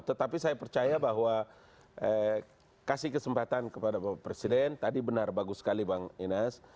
tetapi saya percaya bahwa kasih kesempatan kepada bapak presiden tadi benar bagus sekali bang ines